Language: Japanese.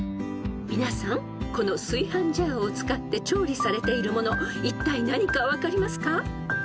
［皆さんこの炊飯ジャーを使って調理されているものいったい何か分かりますか？］